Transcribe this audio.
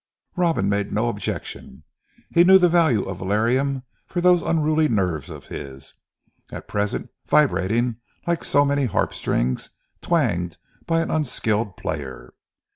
Robin made no objection. He knew the value of Valerian for those unruly nerves of his, at present vibrating like so many harp strings, twangled by an unskilful player.